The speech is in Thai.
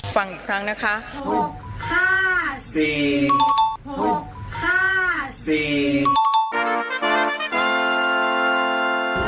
ฟังอีกครั้งนะครับ